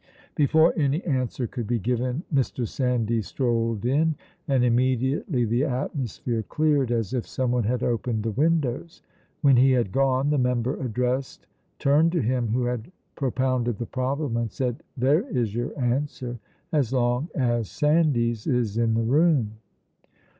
Before any answer could be given Mr. Sandys strolled in, and immediately the atmosphere cleared, as if someone had opened the windows. When he had gone the member addressed turned to him who had propounded the problem and said, 'There is your answer as long as Sandys is in the room.'"